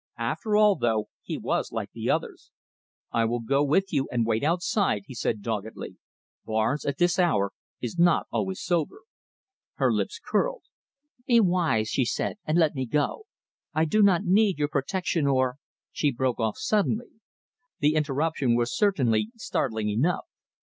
After all, though, he was like the others. "I will go with you and wait outside," he said doggedly. "Barnes, at this hour is not always sober!" Her lips curled. "Be wise," she said, "and let me go. I do not need your protection or " She broke off suddenly. The interruption was certainly startling enough.